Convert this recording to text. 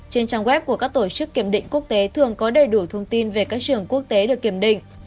trên trang web của các tổ chức kiểm định quốc tế thường có đầy đủ thông tin về các trường quốc tế được kiểm định